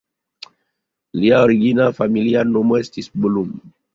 Lia origina familia nomo estis "Blum".